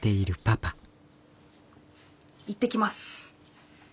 行ってきます。